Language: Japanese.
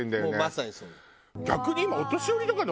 まさにそうよ。